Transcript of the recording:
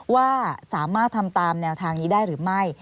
ว่าสามารถทำตามแนวทางนี้ได้หรือไม่